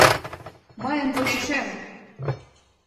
— Мыйын почешем!..